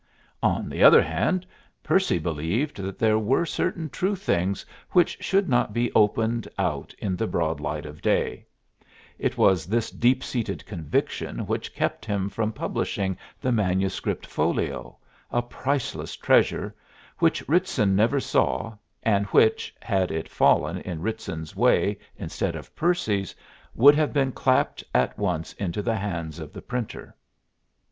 On the other hand, Percy believed that there were certain true things which should not be opened out in the broad light of day; it was this deep seated conviction which kept him from publishing the manuscript folio, a priceless treasure, which Ritson never saw and which, had it fallen in Ritson's way instead of Percy's, would have been clapped at once into the hands of the printer.